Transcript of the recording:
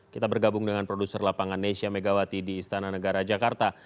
kita bergabung dengan produser lapangan nesya megawati di istana negara jakarta